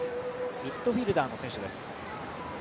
ミッドフィルダーの選手です。